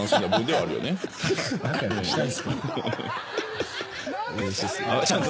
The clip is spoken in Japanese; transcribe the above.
はい。